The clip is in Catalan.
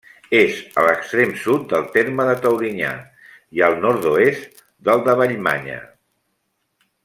És a l'extrem sud del terme de Taurinyà i al nord-oest del de Vallmanya.